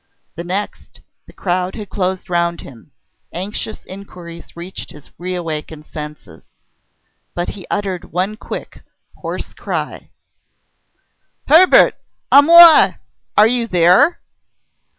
The next, the crowd had closed round him; anxious inquiries reached his re awakened senses. But he uttered one quick, hoarse cry: "Hebert! A moi! Are you there?"